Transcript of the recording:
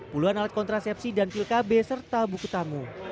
puluhan alat kontrasepsi dan pil kb serta buku tamu